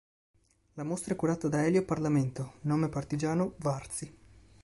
La mostra è curata da Elio Parlamento, nome partigiano “Varzi”.